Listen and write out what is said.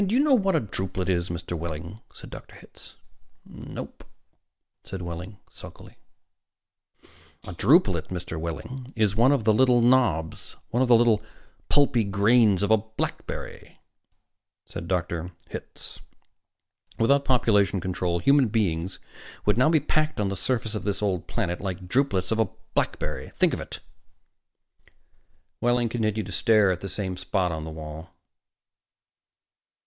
Do you know what a drupelet is, Mr. Wehling?" said Hitz. "Nope," said Wehling sulkily. "A drupelet, Mr. Wehling, is one of the little knobs, one of the little pulpy grains of a blackberry," said Dr. Hitz. "Without population control, human beings would now be packed on this surface of this old planet like drupelets on a blackberry! Think of it!" Wehling continued to stare at the same spot on the wall.